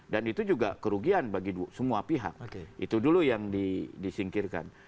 dan itu juga kerugian bagi semua pihak itu dulu yang disingkirkan